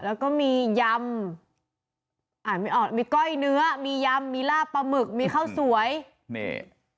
แล้วก็มียำอ่านไม่ออกมีก้อยเนื้อมียำมีลาบปลาหมึกมีข้าวสวยนี่